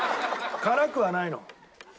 辛くはないの？